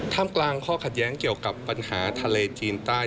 กลางข้อขัดแย้งเกี่ยวกับปัญหาทะเลจีนใต้